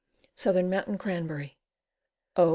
Southern Mountain Cranberry. O.